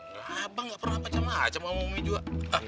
gapapa gak pernah macem macem sama umi juga